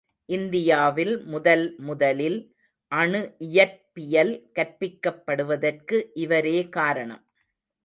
இந்தியாவில் முதல்முதலில் அணு இயற்பியல் கற்பிக்கப்படுவதற்கு இவரே காரணம்.